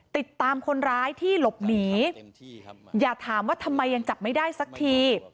ติดตามคนร้ายที่หลบหนีอย่าถามว่าทำไมยังจับไม่ได้สักที